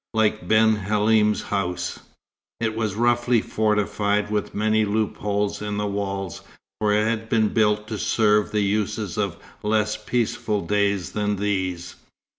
Like Ben Halim's house, it was roughly fortified, with many loopholes in the walls, for it had been built to serve the uses of less peaceful days than these.